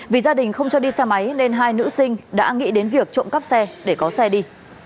vì gia đình không cho đi xe máy nên hai nữ sinh đã nghĩ đến việc trộm cắp xe để có xe đi